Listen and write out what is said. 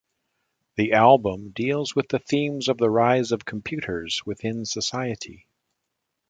The album deals with the themes of the rise of computers within society.